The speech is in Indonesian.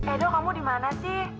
edo kamu di mana sih